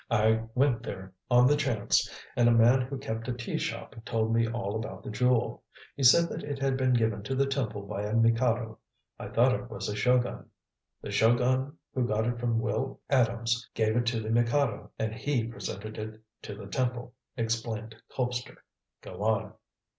I went there on the chance, and a man who kept a tea shop told me all about the jewel. He said that it had been given to the temple by a Mikado. I thought it was a Shogun." "The Shogun, who got it from Will Adams, gave it to the Mikado, and he presented it to the temple," explained Colpster. "Go on."